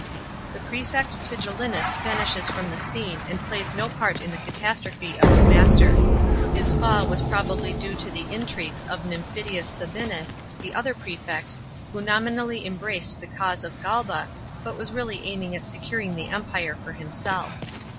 The prefect Tigellinus vanishes from the scene, and plays no part in the catastrophe of his master. His fall was probably due to the intrigues of Nymphidius Sabinus, the other prefect, who nominally embraced the cause of Galba, but was really aiming at securing the Empire for himself.